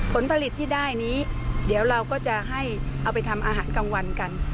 ผลผลิตที่ได้นี้เดี๋ยวเราก็จะให้เอาไปทำอาหารกลางวันกัน